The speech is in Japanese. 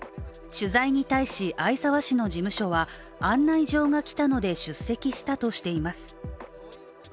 取材に対し逢沢氏の事務所は、案内状が来たので出席したとしています。